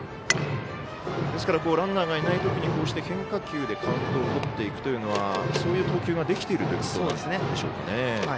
ですからランナーがいないときにこうして変化球でカウントをとっていくというのはそういう投球ができているということでしょうか。